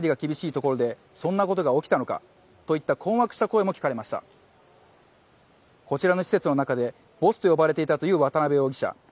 こちらの施設の中でボスと呼ばれていたという渡辺容疑者。